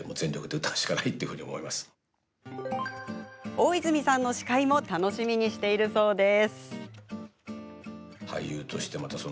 大泉さんの司会も楽しみにしているそうです。